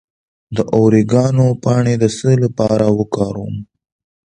د اوریګانو پاڼې د څه لپاره وکاروم؟